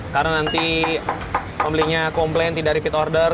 karena nanti pembelinya komplain tidak repeat order